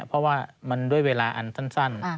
เพราะว่ามันด้วยเวลาอันสั้น